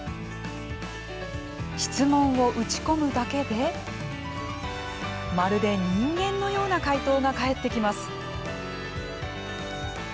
質問を打ち込むだけでまるで、人間のような回答が返ってきます。